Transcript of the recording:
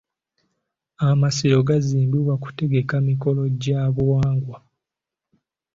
Amasiro gaazimbibwa kutegeka mikolo gya buwangwa.